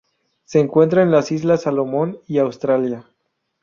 Se encuentran en las Islas Salomón y Australia.